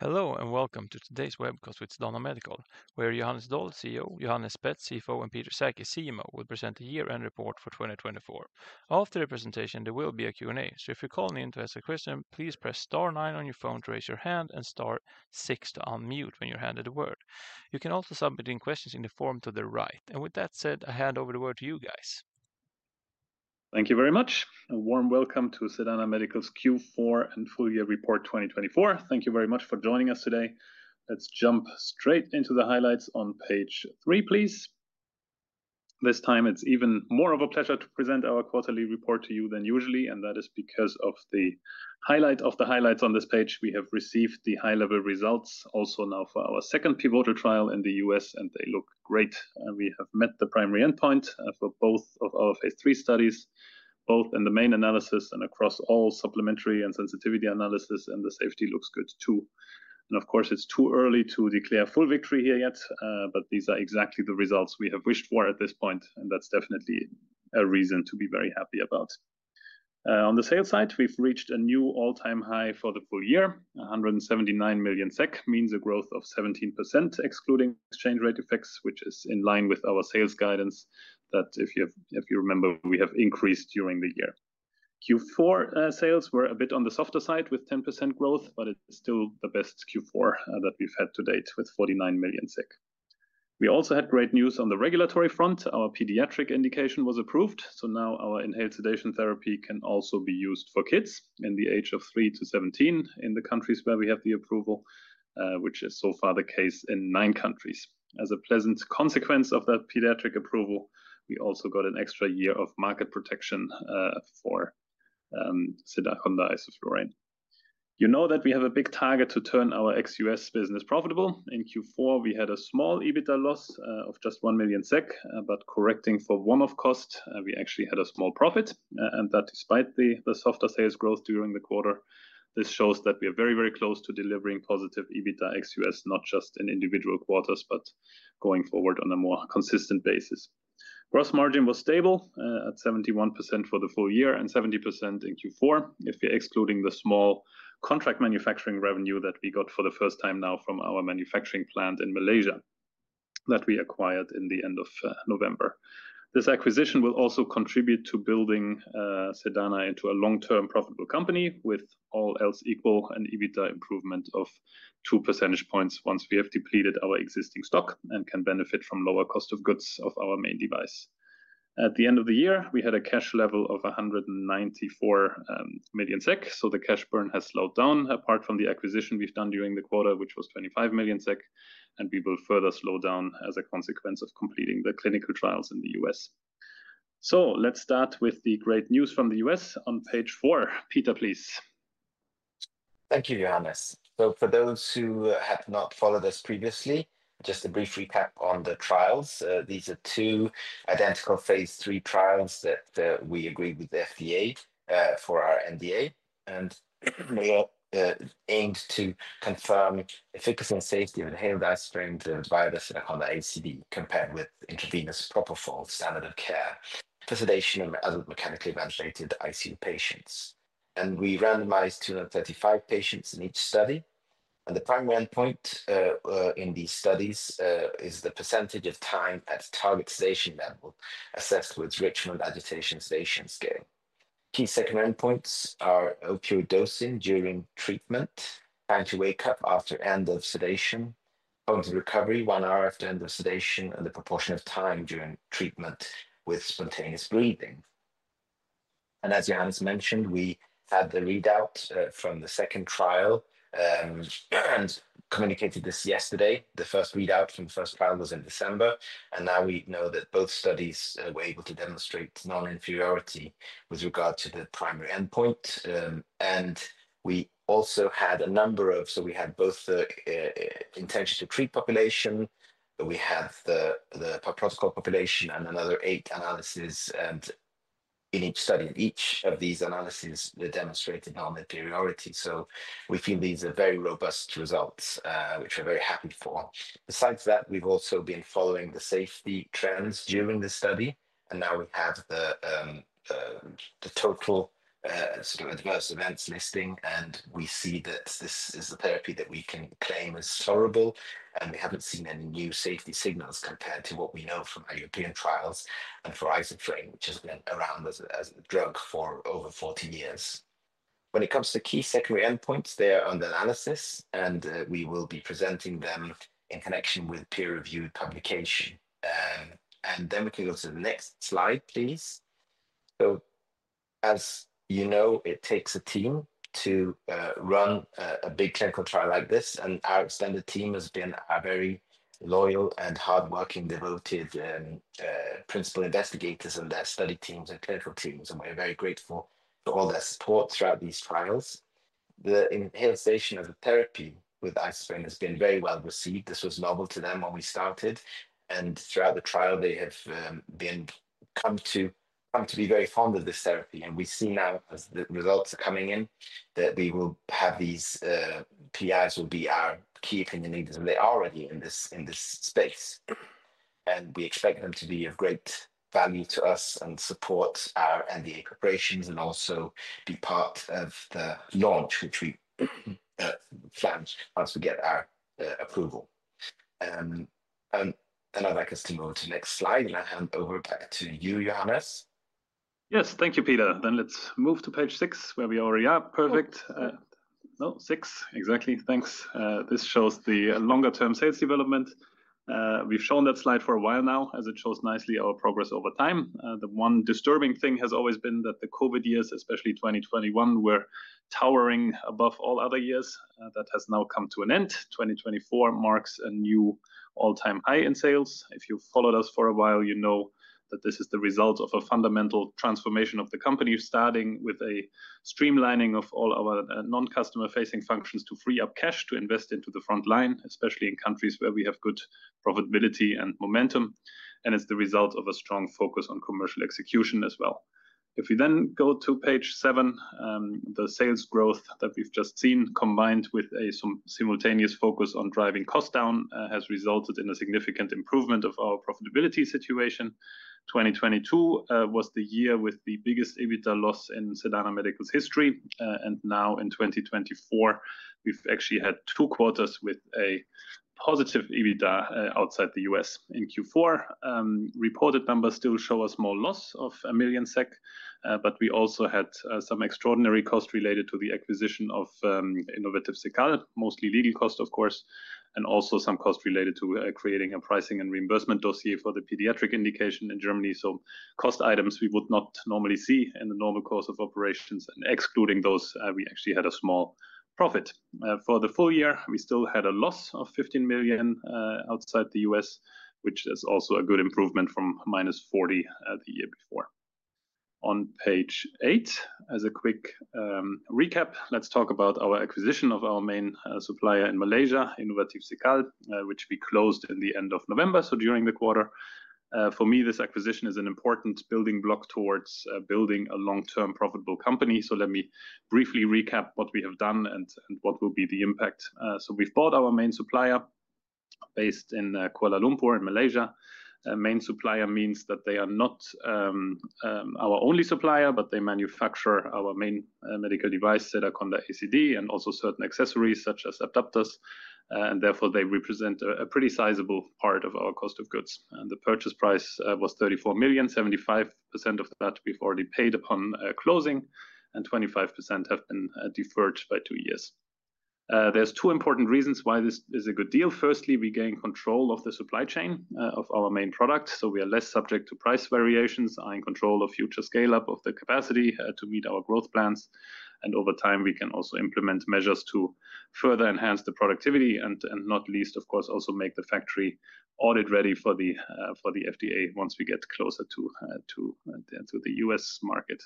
Hello and welcome to today's webcast with Sedana Medical, where Johannes Doll, CEO, Johan Spetz, CFO, and Peter Sackey, CMO, will present the year-end report for 2024. After the presentation, there will be a Q&A, so if you're calling in to ask a question, please press star nine on your phone to raise your hand and star six to unmute when you're handed the word. You can also submit in questions in the forum to the right. With that said, I hand over the word to you guys. Thank you very much, and a warm welcome to Sedana Medical's Q4 and full-year report 2024. Thank you very much for joining us today. Let's jump straight into the highlights on page three, please. This time, it's even more of a pleasure to present our quarterly report to you than usually, and that is because of the highlight of the highlights on this page. We have received the high-level results also now for our second pivotal trial in the US, and they look great. We have met the primary endpoint for both of our phase three studies, both in the main analysis and across all supplementary and sensitivity analysis, and the safety looks good too. Of course, it's too early to declare full victory here yet, but these are exactly the results we have wished for at this point, and that's definitely a reason to be very happy about. On the sales side, we've reached a new all-time high for the full year. 179 million SEK means a growth of 17% excluding exchange rate effects, which is in line with our sales guidance that, if you remember, we have increased during the year. Q4 sales were a bit on the softer side with 10% growth, but it's still the best Q4 that we've had to date with 49 million. We also had great news on the regulatory front. Our pediatric indication was approved, so now our inhaled sedation therapy can also be used for kids in the age of 3 to 17 in the countries where we have the approval, which is so far the case in nine countries. As a pleasant consequence of that pediatric approval, we also got an extra year of market protection for Sedaconda (isoflurane). You know that we have a big target to turn our ex-US business profitable. In Q4, we had a small EBITDA loss of just 1 million SEK, but correcting for warm-up cost, we actually had a small profit, and that despite the softer sales growth during the quarter, this shows that we are very, very close to delivering positive EBITDA ex-US, not just in individual quarters, but going forward on a more consistent basis. Gross margin was stable at 71% for the full year and 70% in Q4, if we're excluding the small contract manufacturing revenue that we got for the first time now from our manufacturing plant in Malaysia that we acquired in the end of November. This acquisition will also contribute to building Sedana into a long-term profitable company with all else equal and EBITDA improvement of 2 percentage points once we have depleted our existing stock and can benefit from lower cost of goods of our main device. At the end of the year, we had a cash level of 194 million SEK, so the cash burn has slowed down apart from the acquisition we've done during the quarter, which was 25 million SEK, and we will further slow down as a consequence of completing the clinical trials in the US. Let's start with the great news from the US on page four. Peter, please. Thank you, Johannes. For those who have not followed us previously, just a brief recap on the trials. These are two identical phase three trials that we agreed with the FDA for our NDA and were aimed to confirm efficacy and safety of inhaled isoflurane in an Sedaconda ACD compared with intravenous propofol standard of care for sedation in adult mechanically ventilated ICU patients. We randomized 235 patients in each study, and the primary endpoint in these studies is the percentage of time at target sedation level assessed with Richmond Agitation-Sedation Scale. Key secondary endpoints are opioid dosing during treatment, time to wake up after end of sedation, point of recovery one hour after end of sedation, and the proportion of time during treatment with spontaneous breathing. As Johannes mentioned, we had the readout from the second trial and communicated this yesterday. The first readout from the first trial was in December, and now we know that both studies were able to demonstrate non-inferiority with regard to the primary endpoint. We also had a number of, so we had both the intention to treat population, we had the protocol population, and another eight analyses. In each study, each of these analyses demonstrated non-inferiority, so we feel these are very robust results, which we're very happy for. Besides that, we've also been following the safety trends during the study, and now we have the total sort of adverse events listing, and we see that this is the therapy that we can claim as tolerable, and we haven't seen any new safety signals compared to what we know from our European trials and for isoflurane, which has been around as a drug for over 40 years. When it comes to key secondary endpoints, they are under analysis, and we will be presenting them in connection with peer-reviewed publication. We can go to the next slide, please. As you know, it takes a team to run a big clinical trial like this, and our extended team has been very loyal and hardworking, devoted principal investigators and their study teams and clinical teams, and we're very grateful for all their support throughout these trials. The inhalation of the therapy with isoflurane has been very well received. This was novel to them when we started, and throughout the trial, they have come to be very fond of this therapy. We see now, as the results are coming in, that we will have these PIs who will be our key opinion leaders, and they are already in this space. We expect them to be of great value to us and support our NDA preparations and also be part of the launch, which we plan once we get our approval. I would like us to move to the next slide, and I hand over back to you, Johannes. Yes, thank you, Peter. Let's move to page six, where we already are. Perfect. No, six, exactly. Thanks. This shows the longer-term sales development. We've shown that slide for a while now, as it shows nicely our progress over time. The one disturbing thing has always been that the COVID years, especially 2021, were towering above all other years. That has now come to an end. 2024 marks a new all-time high in sales. If you've followed us for a while, you know that this is the result of a fundamental transformation of the company, starting with a streamlining of all our non-customer-facing functions to free up cash to invest into the front line, especially in countries where we have good profitability and momentum. It is the result of a strong focus on commercial execution as well. If we then go to page seven, the sales growth that we've just seen, combined with a simultaneous focus on driving costs down, has resulted in a significant improvement of our profitability situation. 2022 was the year with the biggest EBITDA loss in Sedana Medical's history, and now in 2024, we've actually had two quarters with a positive EBITDA outside the U.S. in Q4. Reported numbers still show a small loss of 1 million SEK, but we also had some extraordinary costs related to the acquisition of Innovatif Cekal mostly legal costs, of course, and also some costs related to creating a pricing and reimbursement dossier for the pediatric indication in Germany. Cost items we would not normally see in the normal course of operations, and excluding those, we actually had a small profit. For the full year, we still had a loss of 15 million outside the U.S., which is also a good improvement from minus 40 million the year before. On page eight, as a quick recap, let's talk about our acquisition of our main supplier in Malaysia, Innovatif Cekal, which we closed at the end of November, during the quarter. For me, this acquisition is an important building block towards building a long-term profitable company. Let me briefly recap what we have done and what will be the impact. We have bought our main supplier based in Kuala Lumpur in Malaysia. Main supplier means that they are not our only supplier, but they manufacture our main medical device Sedaconda ACD, and also certain accessories such as adapters, and therefore they represent a pretty sizable part of our cost of goods. The purchase price was 34 million. 75% of that we've already paid upon closing, and 25% have been deferred by two years. There are two important reasons why this is a good deal. Firstly, we gain control of the supply chain of our main product, so we are less subject to price variations, are in control of future scale-up of the capacity to meet our growth plans, and over time, we can also implement measures to further enhance the productivity and not least, of course, also make the factory audit ready for the FDA once we get closer to the US market.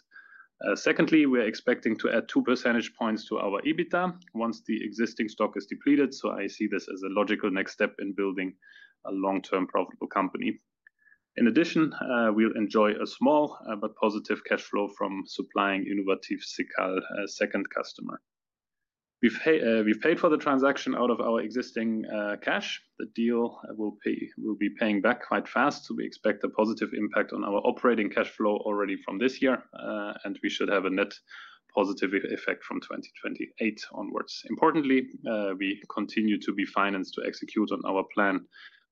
Secondly, we're expecting to add 2 percentage points to our EBITDA once the existing stock is depleted, so I see this as a logical next step in building a long-term profitable company. In addition, we'll enjoy a small but positive cash flow from supplying Innovatif Cekal second customer. have paid for the transaction out of our existing cash. The deal will be paying back quite fast, so we expect a positive impact on our operating cash flow already from this year, and we should have a net positive effect from 2028 onwards. Importantly, we continue to be financed to execute on our plan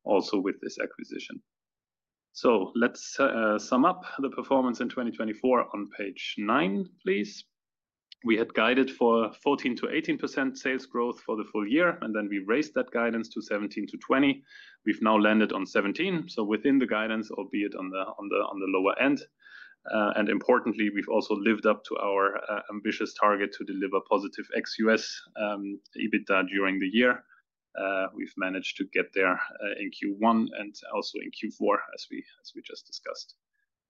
also with this acquisition. Let us sum up the performance in 2024 on page nine, please. We had guided for 14-18% sales growth for the full year, and then we raised that guidance to 17-20%. We have now landed on 17%, so within the guidance, albeit on the lower end. Importantly, we have also lived up to our ambitious target to deliver positive ex-US EBITDA during the year. We have managed to get there in Q1 and also in Q4, as we just discussed.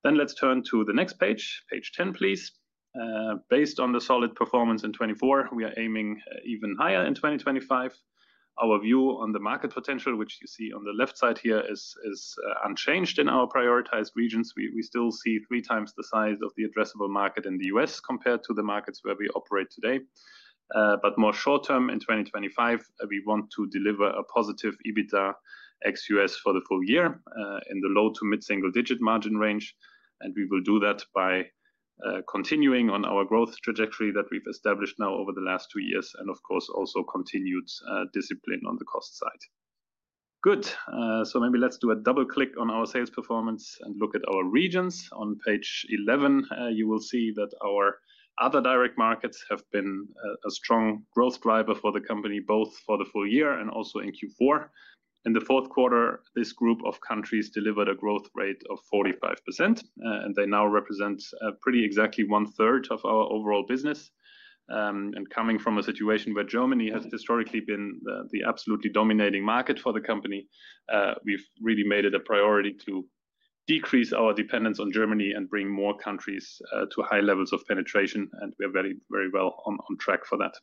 Let's turn to the next page, page 10, please. Based on the solid performance in 2024, we are aiming even higher in 2025. Our view on the market potential, which you see on the left side here, is unchanged in our prioritized regions. We still see three times the size of the addressable market in the US compared to the markets where we operate today. More short-term, in 2025, we want to deliver a positive EBITDA ex-US for the full year in the low to mid-single-digit margin range, and we will do that by continuing on our growth trajectory that we've established now over the last two years and, of course, also continued discipline on the cost side. Good. Maybe let's do a double click on our sales performance and look at our regions. On page 11, you will see that our other direct markets have been a strong growth driver for the company, both for the full year and also in Q4. In the fourth quarter, this group of countries delivered a growth rate of 45%, and they now represent pretty exactly one-third of our overall business. Coming from a situation where Germany has historically been the absolutely dominating market for the company, we've really made it a priority to decrease our dependence on Germany and bring more countries to high levels of penetration, and we are very, very well on track for that.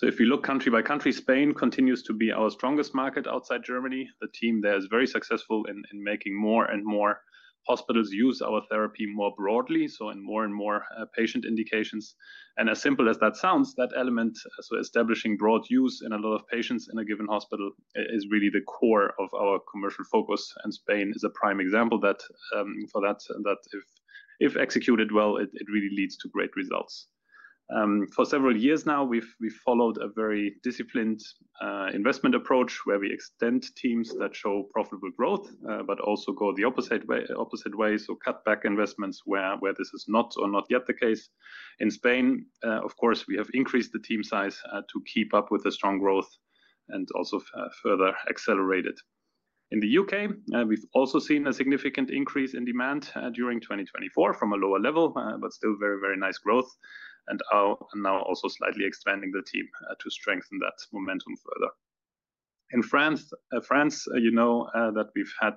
If we look country by country, Spain continues to be our strongest market outside Germany. The team there is very successful in making more and more hospitals use our therapy more broadly, in more and more patient indications. As simple as that sounds, that element, so establishing broad use in a lot of patients in a given hospital, is really the core of our commercial focus, and Spain is a prime example for that. If executed well, it really leads to great results. For several years now, we've followed a very disciplined investment approach where we extend teams that show profitable growth, but also go the opposite way, so cut back investments where this is not or not yet the case. In Spain, of course, we have increased the team size to keep up with the strong growth and also further accelerate it. In the U.K., we've also seen a significant increase in demand during 2024 from a lower level, but still very, very nice growth, and now also slightly expanding the team to strengthen that momentum further. In France, you know that we've had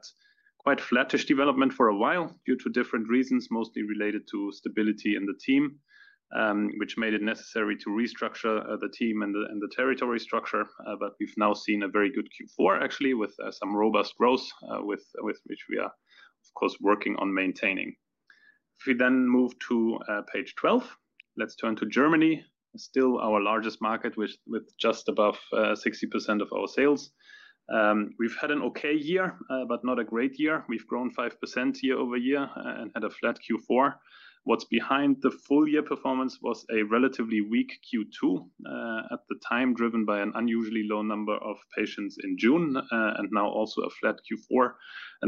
quite flattish development for a while due to different reasons, mostly related to stability in the team, which made it necessary to restructure the team and the territory structure. We've now seen a very good Q4, actually, with some robust growth, with which we are, of course, working on maintaining. If we then move to page 12, let's turn to Germany, still our largest market, with just above 60% of our sales. We've had an okay year, but not a great year. We've grown 5% year over year and had a flat Q4. What's behind the full year performance was a relatively weak Q2 at the time, driven by an unusually low number of patients in June, and now also a flat Q4.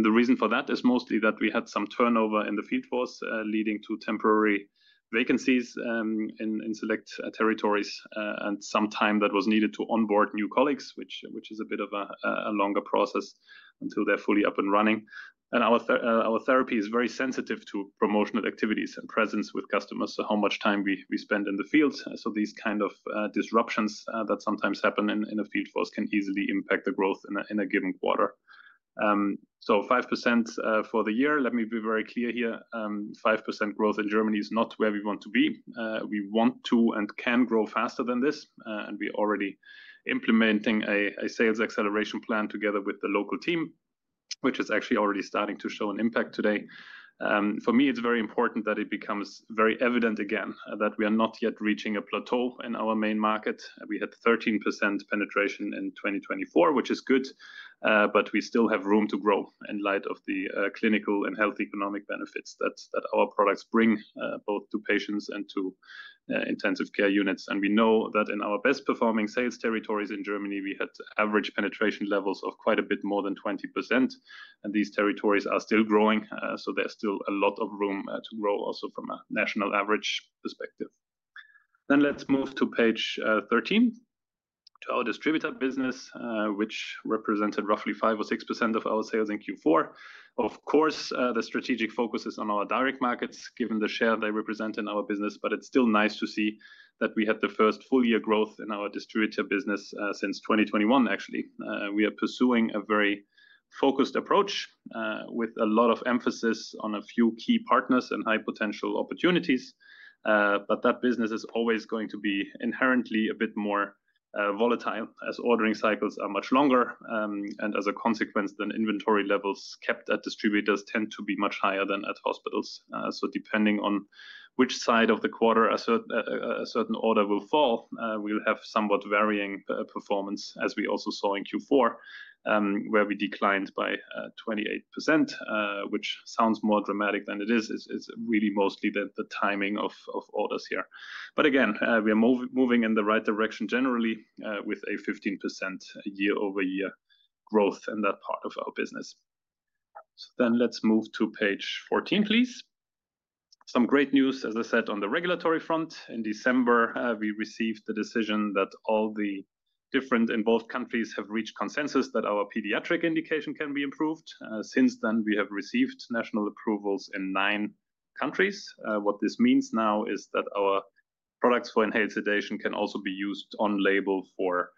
The reason for that is mostly that we had some turnover in the field force, leading to temporary vacancies in select territories and some time that was needed to onboard new colleagues, which is a bit of a longer process until they're fully up and running. Our therapy is very sensitive to promotional activities and presence with customers, so how much time we spend in the field. These kinds of disruptions that sometimes happen in a field force can easily impact the growth in a given quarter. 5% for the year, let me be very clear here, 5% growth in Germany is not where we want to be. We want to and can grow faster than this, and we're already implementing a sales acceleration plan together with the local team, which is actually already starting to show an impact today. For me, it's very important that it becomes very evident again that we are not yet reaching a plateau in our main market. We had 13% penetration in 2024, which is good, but we still have room to grow in light of the clinical and health economic benefits that our products bring both to patients and to intensive care units. We know that in our best-performing sales territories in Germany, we had average penetration levels of quite a bit more than 20%, and these territories are still growing, so there's still a lot of room to grow also from a national average perspective. Let's move to page 13, to our distributor business, which represented roughly 5-6% of our sales in Q4. Of course, the strategic focus is on our direct markets, given the share they represent in our business, but it's still nice to see that we had the first full-year growth in our distributor business since 2021, actually. We are pursuing a very focused approach with a lot of emphasis on a few key partners and high potential opportunities, but that business is always going to be inherently a bit more volatile as ordering cycles are much longer, and as a consequence, then inventory levels kept at distributors tend to be much higher than at hospitals. Depending on which side of the quarter a certain order will fall, we'll have somewhat varying performance, as we also saw in Q4, where we declined by 28%, which sounds more dramatic than it is. It's really mostly the timing of orders here. Again, we are moving in the right direction generally with a 15% year-over-year growth in that part of our business. Let's move to page 14, please. Some great news, as I said, on the regulatory front. In December, we received the decision that all the different involved countries have reached consensus that our pediatric indication can be improved. Since then, we have received national approvals in nine countries. What this means now is that our products for inhaled sedation can also be used on label for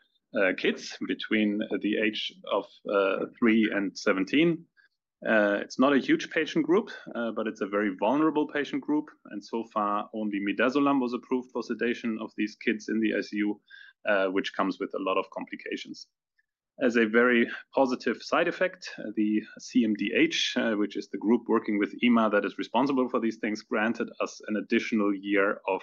kids between the age of 3 and 17. It's not a huge patient group, but it's a very vulnerable patient group, and so far, only midazolam was approved for sedation of these kids in the ICU, which comes with a lot of complications. As a very positive side effect, the CMDh, which is the group working with EMA that is responsible for these things, granted us an additional year of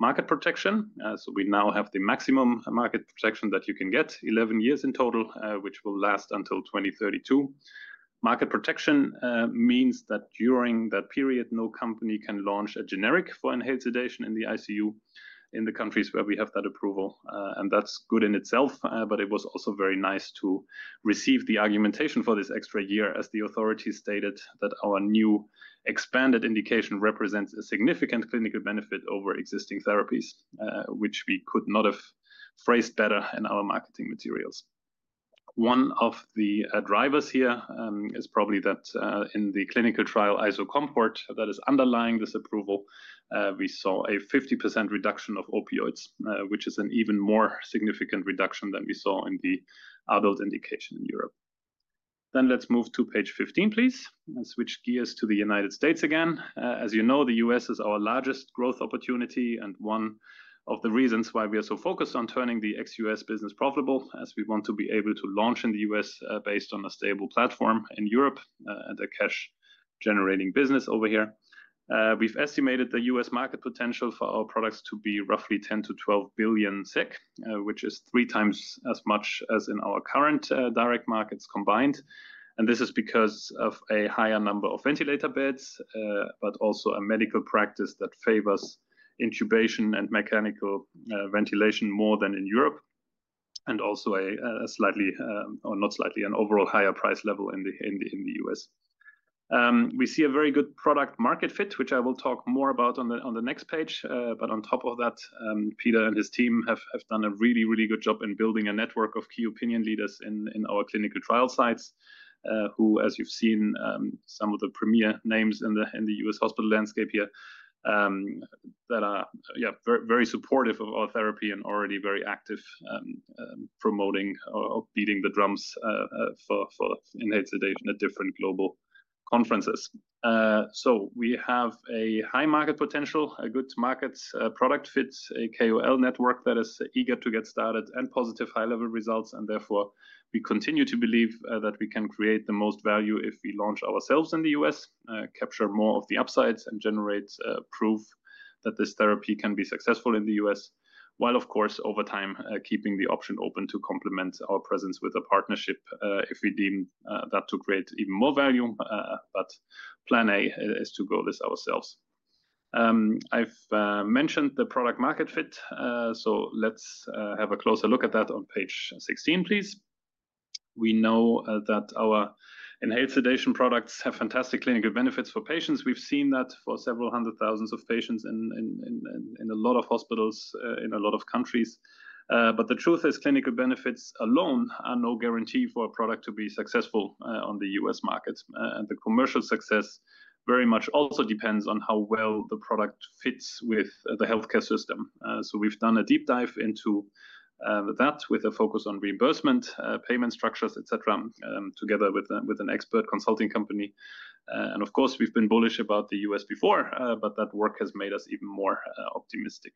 market protection. We now have the maximum market protection that you can get, 11 years in total, which will last until 2032. Market protection means that during that period, no company can launch a generic for inhaled sedation in the ICU in the countries where we have that approval, and that's good in itself, but it was also very nice to receive the argumentation for this extra year as the authority stated that our new expanded indication represents a significant clinical benefit over existing therapies, which we could not have phrased better in our marketing materials. One of the drivers here is probably that in the clinical trial ISO comport that is underlying this approval, we saw a 50% reduction of opioids, which is an even more significant reduction than we saw in the adult indication in Europe. Let's move to page 15, please, and switch gears to the United States again. As you know, the U.S. is our largest growth opportunity and one of the reasons why we are so focused on turning the ex-U.S. business profitable as we want to be able to launch in the U.S. based on a stable platform in Europe and a cash-generating business over here. We've estimated the U.S. market potential for our products to be roughly 10 billion-12 billion SEK, which is three times as much as in our current direct markets combined. This is because of a higher number of ventilator beds, but also a medical practice that favors intubation and mechanical ventilation more than in Europe, and also a slightly, or not slightly, an overall higher price level in the US. We see a very good product market fit, which I will talk more about on the next page. On top of that, Peter and his team have done a really, really good job in building a network of key opinion leaders in our clinical trial sites, who, as you've seen, some of the premier names in the US hospital landscape here that are, yeah, very supportive of our therapy and already very active promoting or beating the drums for inhaled sedation at different global conferences. We have a high market potential, a good market product fit, a KOL network that is eager to get started and positive high-level results, and therefore we continue to believe that we can create the most value if we launch ourselves in the US, capture more of the upsides, and generate proof that this therapy can be successful in the US, while, of course, over time, keeping the option open to complement our presence with a partnership if we deem that to create even more value. Plan A is to go this ourselves. I've mentioned the product market fit, so let's have a closer look at that on page 16, please. We know that our inhaled sedation products have fantastic clinical benefits for patients. We've seen that for several hundred thousands of patients in a lot of hospitals in a lot of countries. The truth is clinical benefits alone are no guarantee for a product to be successful on the US market. The commercial success very much also depends on how well the product fits with the healthcare system. We've done a deep dive into that with a focus on reimbursement, payment structures, etc., together with an expert consulting company. Of course, we've been bullish about the US before, but that work has made us even more optimistic.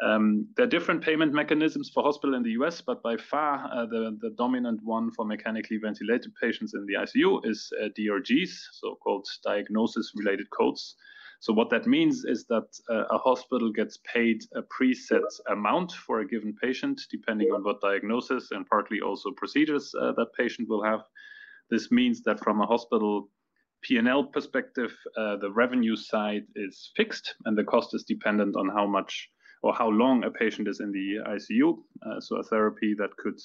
There are different payment mechanisms for hospitals in the US, but by far the dominant one for mechanically ventilated patients in the ICU is DRGs, so-called diagnosis-related groups. What that means is that a hospital gets paid a preset amount for a given patient depending on what diagnosis and partly also procedures that patient will have. This means that from a hospital P&L perspective, the revenue side is fixed and the cost is dependent on how much or how long a patient is in the ICU. A therapy that could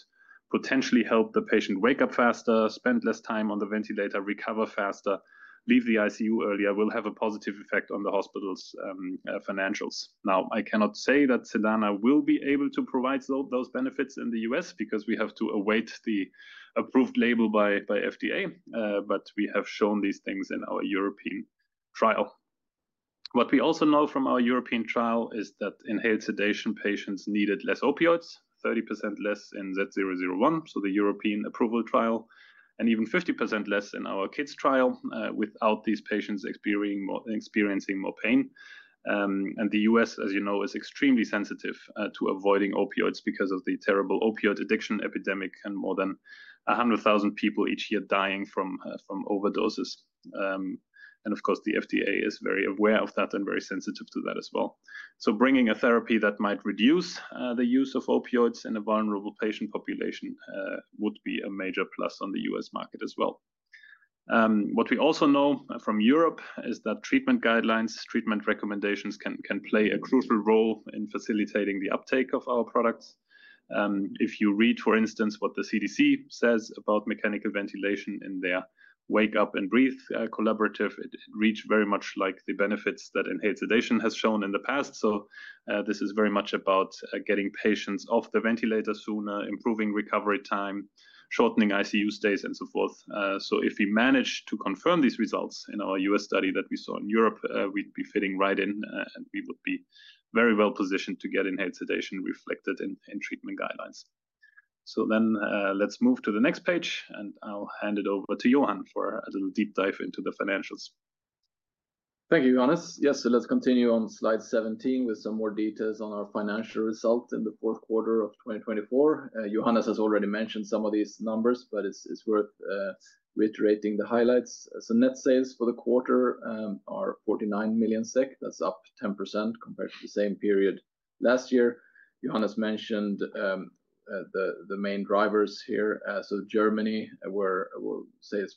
potentially help the patient wake up faster, spend less time on the ventilator, recover faster, leave the ICU earlier will have a positive effect on the hospital's financials. Now, I cannot say that Sedana will be able to provide those benefits in the U.S. because we have to await the approved label by FDA, but we have shown these things in our European trial. What we also know from our European trial is that inhaled sedation patients needed less opioids, 30% less in Z001, so the European approval trial, and even 50% less in our kids trial without these patients experiencing more pain. The U.S., as you know, is extremely sensitive to avoiding opioids because of the terrible opioid addiction epidemic and more than 100,000 people each year dying from overdoses. Of course, the FDA is very aware of that and very sensitive to that as well. Bringing a therapy that might reduce the use of opioids in a vulnerable patient population would be a major plus on the U.S. market as well. What we also know from Europe is that treatment guidelines, treatment recommendations can play a crucial role in facilitating the uptake of our products. If you read, for instance, what the CDC says about mechanical ventilation in their Wake Up and Breathe collaborative, it reads very much like the benefits that inhaled sedation has shown in the past. This is very much about getting patients off the ventilator sooner, improving recovery time, shortening ICU stays, and so forth. If we manage to confirm these results in our US study that we saw in Europe, we'd be fitting right in, and we would be very well positioned to get inhaled sedation reflected in treatment guidelines. Let's move to the next page, and I'll hand it over to Johan for a little deep dive into the financials. Thank you, Johannes. Yes, let's continue on slide 17 with some more details on our financial results in the fourth quarter of 2024. Johannes has already mentioned some of these numbers, but it's worth reiterating the highlights. Net sales for the quarter are 49 million SEK. That's up 10% compared to the same period last year. Johannes mentioned the main drivers here. Germany, where sales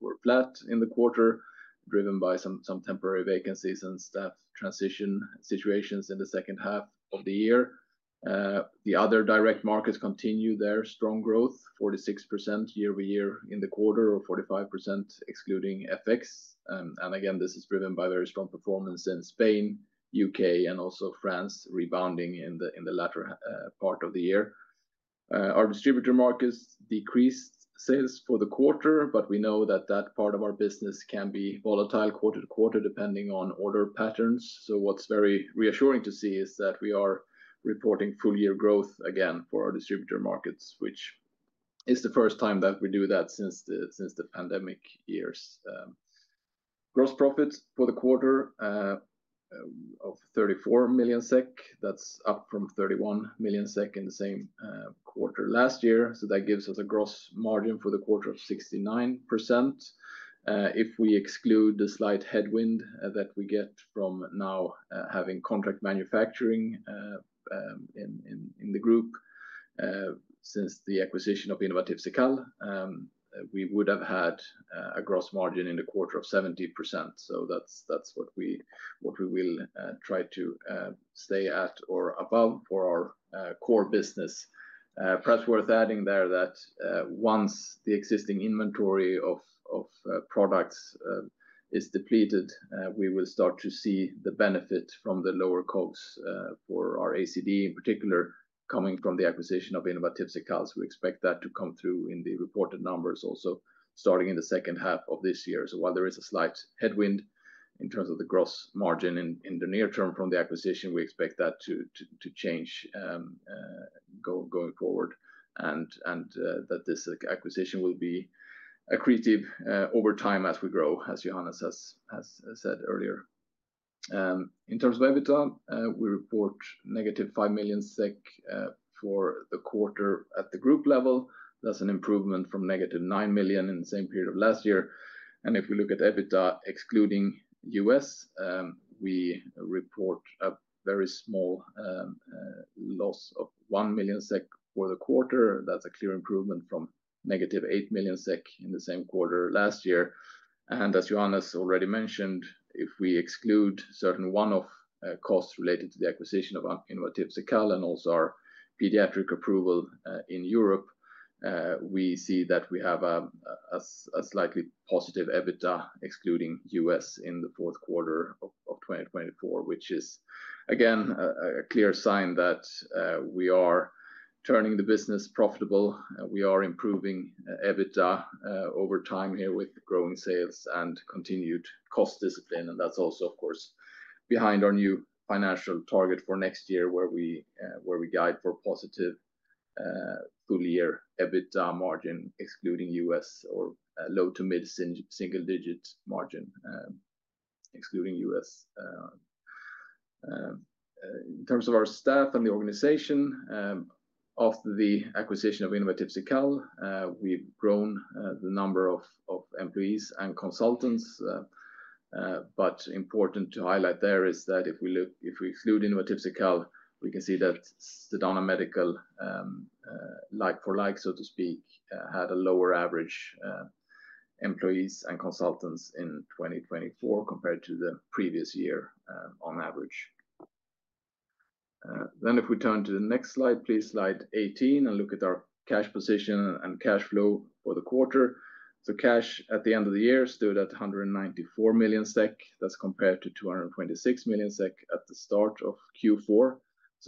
were flat in the quarter, driven by some temporary vacancies and staff transition situations in the second half of the year. The other direct markets continue their strong growth, 46% year-over-year in the quarter, or 45% excluding FX. This is driven by very strong performance in Spain, U.K., and also France rebounding in the latter part of the year. Our distributor markets decreased sales for the quarter, but we know that that part of our business can be volatile quarter to quarter depending on order patterns. What is very reassuring to see is that we are reporting full-year growth again for our distributor markets, which is the first time that we do that since the pandemic years. Gross profit for the quarter of 34 million SEK, that's up from 31 million SEK in the same quarter last year. That gives us a gross margin for the quarter of 69%. If we exclude the slight headwind that we get from now having contract manufacturing in the group since the acquisition of Innovatif Cekal, we would have had a gross margin in the quarter of 70%. That is what we will try to stay at or above for our core business. Perhaps worth adding there that once the existing inventory of products is depleted, we will start to see the benefit from the lower costs for our ACD, in particular coming from the acquisition of Innovatif Cekal. We expect that to come through in the reported numbers also starting in the second half of this year. While there is a slight headwind in terms of the gross margin in the near term from the acquisition, we expect that to change going forward and that this acquisition will be accretive over time as we grow, as Johannes has said earlier. In terms of EBITDA, we report negative 5 million SEK for the quarter at the group level. That is an improvement from negative 9 million in the same period of last year. If we look at EBITDA excluding US, we report a very small loss of 1 million SEK for the quarter. That is a clear improvement from negative 8 million SEK in the same quarter last year. As Johannes already mentioned, if we exclude certain one-off costs related to the acquisition of Innovatif Cekal and also our pediatric approval in Europe, we see that we have a slightly positive EBITDA excluding US in the fourth quarter of 2024, which is again a clear sign that we are turning the business profitable. We are improving EBITDA over time here with growing sales and continued cost discipline. That is also, of course, behind our new financial target for next year where we guide for positive full-year EBITDA margin excluding US or low to mid single-digit margin excluding US. In terms of our staff and the organization, after the acquisition of Innovatif Cekal, we've grown the number of employees and consultants. Important to highlight there is that if we exclude Innovatif Cekal, we can see that Sedana Medical, like for like, so to speak, had a lower average employees and consultants in 2024 compared to the previous year on average. If we turn to the next slide, please, slide 18, and look at our cash position and cash flow for the quarter. Cash at the end of the year stood at 194 million SEK. That is compared to 226 million SEK at the start of Q4.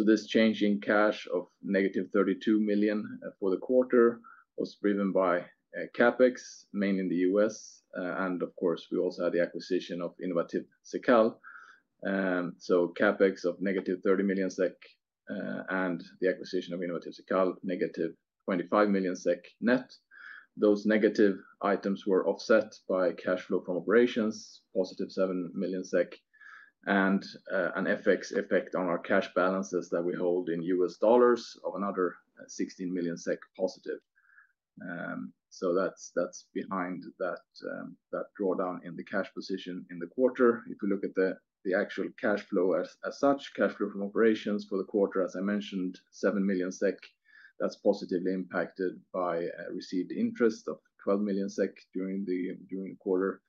This change in cash of negative 32 million for the quarter was driven by CapEx, mainly in the US. Of course, we also had the acquisition of Innovatif Cekal. CapEx of negative 30 million SEK and the acquisition of Innovatif Cekal, negative 25 million SEK net. Those negative items were offset by cash flow from operations, positive 7 million SEK, and an FX effect on our cash balances that we hold in US dollars of another 16 million SEK positive. That is behind that drawdown in the cash position in the quarter. If we look at the actual cash flow as such, cash flow from operations for the quarter, as I mentioned, 7 million SEK, that is positively impacted by received interest of 12 million SEK during the quarter.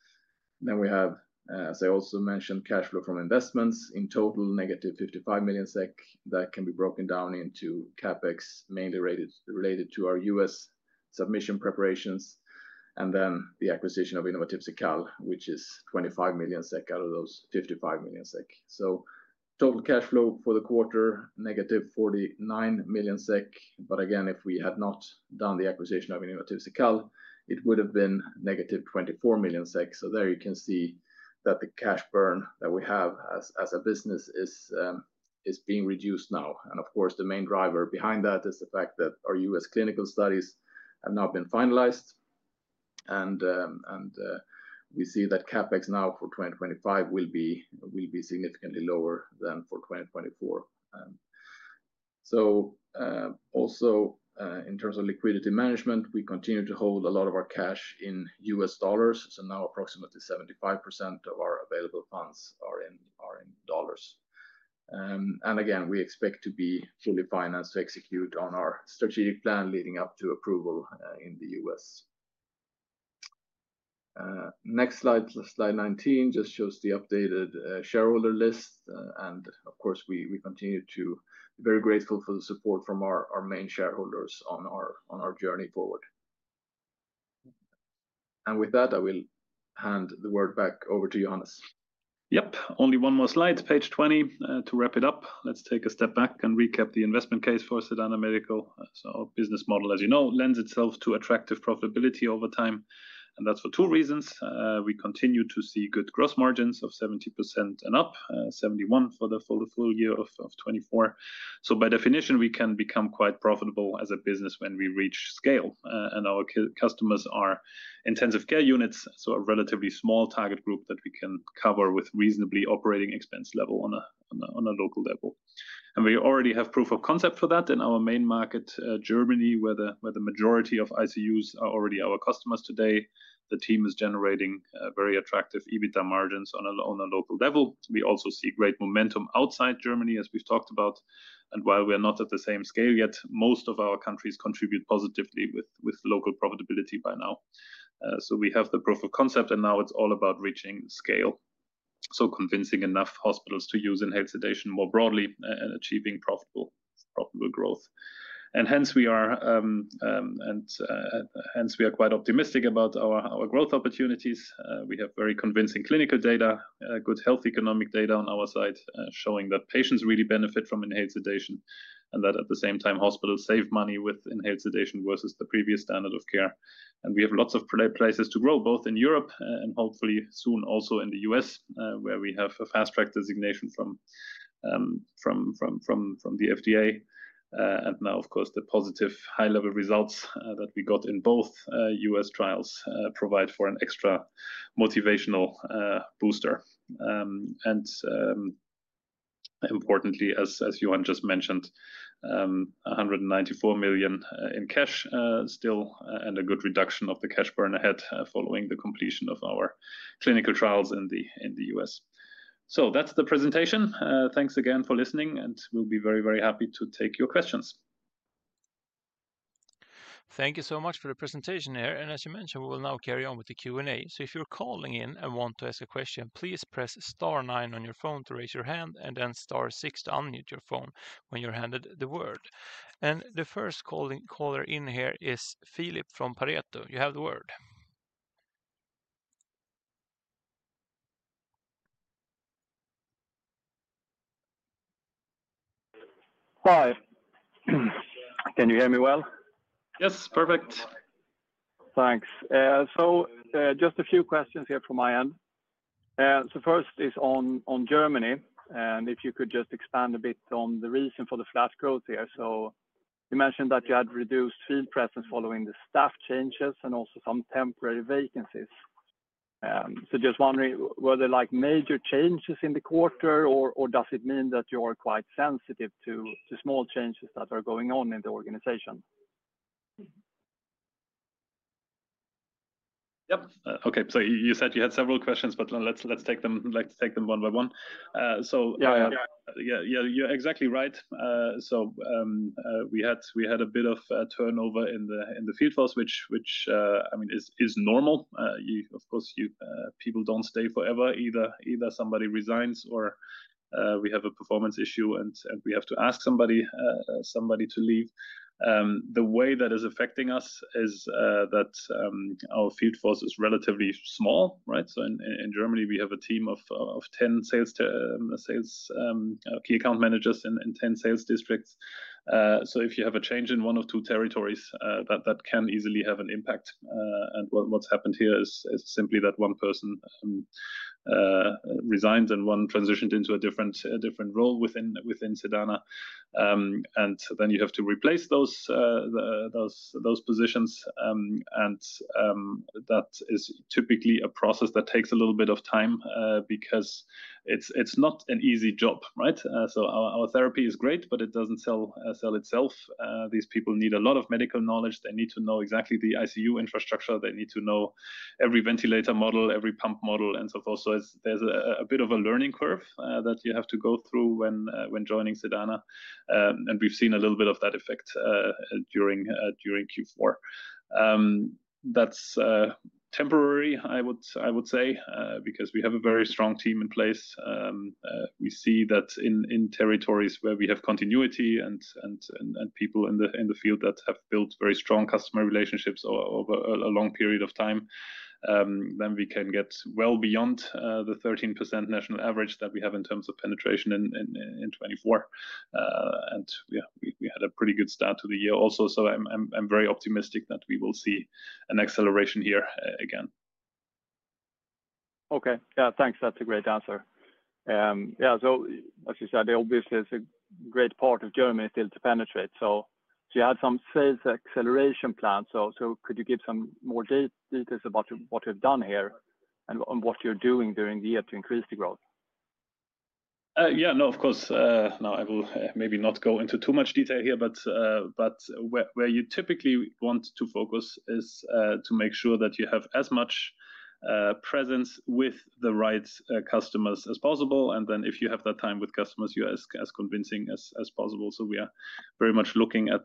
We have, as I also mentioned, cash flow from investments in total, negative 55 million SEK that can be broken down into CapEx, mainly related to our US submission preparations, and the acquisition of Innovatif Cekal, which is 25 million SEK out of those 55 million SEK. Total cash flow for the quarter, negative 49 million SEK. If we had not done the acquisition of Innovatif Cekal, it would have been negative 24 million. There you can see that the cash burn that we have as a business is being reduced now. Of course, the main driver behind that is the fact that our US clinical studies have not been finalized. We see that CapEx now for 2025 will be significantly lower than for 2024. Also in terms of liquidity management, we continue to hold a lot of our cash in US dollars. Now approximately 75% of our available funds are in dollars. We expect to be fully financed to execute on our strategic plan leading up to approval in the US. Next slide, slide 19, just shows the updated shareholder list. Of course, we continue to be very grateful for the support from our main shareholders on our journey forward. With that, I will hand the word back over to Johannes. Yep, only one more slide, page 20. To wrap it up, let's take a step back and recap the investment case for Sedana Medical. Our business model, as you know, lends itself to attractive profitability over time. That is for two reasons. We continue to see good gross margins of 70% and up, 71% for the full year of 2024. By definition, we can become quite profitable as a business when we reach scale. Our customers are intensive care units, so a relatively small target group that we can cover with reasonably operating expense level on a local level. We already have proof of concept for that in our main market, Germany, where the majority of ICUs are already our customers today. The team is generating very attractive EBITDA margins on a local level. We also see great momentum outside Germany, as we've talked about. While we are not at the same scale yet, most of our countries contribute positively with local profitability by now. We have the proof of concept, and now it's all about reaching scale. Convincing enough hospitals to use inhaled sedation more broadly and achieving profitable growth is the focus. We are quite optimistic about our growth opportunities. We have very convincing clinical data, good health economic data on our side showing that patients really benefit from inhaled sedation and that at the same time hospitals save money with inhaled sedation versus the previous standard of care. We have lots of places to grow, both in Europe and hopefully soon also in the US, where we have a fast track designation from the FDA. Of course, the positive high-level results that we got in both US trials provide for an extra motivational booster. Importantly, as Johan just mentioned, 194 million in cash still and a good reduction of the cash burn ahead following the completion of our clinical trials in the US. That is the presentation. Thanks again for listening, and we will be very, very happy to take your questions. Thank you so much for the presentation here. As you mentioned, we will now carry on with the Q&A. If you're calling in and want to ask a question, please press star nine on your phone to raise your hand and then star six to unmute your phone when you're handed the word. The first caller in here is Filip from Pareto. You have the word. Hi. Can you hear me well? Yes, perfect. Thanks. Just a few questions here from my end. First is on Germany. If you could just expand a bit on the reason for the flash growth here. You mentioned that you had reduced field presence following the staff changes and also some temporary vacancies. Just wondering, were there major changes in the quarter, or does it mean that you are quite sensitive to small changes that are going on in the organization? Yep. Okay. You said you had several questions, but let's take them one by one. Yeah, you're exactly right. We had a bit of turnover in the field force, which, I mean, is normal. Of course, people don't stay forever. Either somebody resigns or we have a performance issue and we have to ask somebody to leave. The way that is affecting us is that our field force is relatively small, right? In Germany, we have a team of 10 sales key account managers in 10 sales districts. If you have a change in one or two territories, that can easily have an impact. What's happened here is simply that one person resigned and one transitioned into a different role within Sedana. Then you have to replace those positions. That is typically a process that takes a little bit of time because it's not an easy job, right? Our therapy is great, but it doesn't sell itself. These people need a lot of medical knowledge. They need to know exactly the ICU infrastructure. They need to know every ventilator model, every pump model, and so forth. There is a bit of a learning curve that you have to go through when joining Sedana. We have seen a little bit of that effect during Q4. That is temporary, I would say, because we have a very strong team in place. We see that in territories where we have continuity and people in the field that have built very strong customer relationships over a long period of time, we can get well beyond the 13% national average that we have in terms of penetration in 2024. We had a pretty good start to the year also. I'm very optimistic that we will see an acceleration here again. Okay. Yeah, thanks. That's a great answer. Yeah. As you said, obviously, it's a great part of Germany still to penetrate. You had some sales acceleration plan. Could you give some more details about what you've done here and what you're doing during the year to increase the growth? Yeah, no, of course. I will maybe not go into too much detail here, but where you typically want to focus is to make sure that you have as much presence with the right customers as possible. If you have that time with customers, you ask as convincing as possible. We are very much looking at